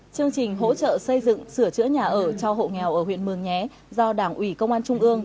chương trình hỗ trợ xây dựng sửa chữa nhà ở cho hộ nghèo ở huyện mường nhé do đảng ủy công an trung ương